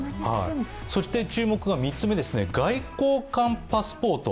そして注目が３つ目ですね、外交官パスポート。